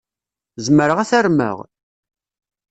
Zemreɣ ad t-armeɣ?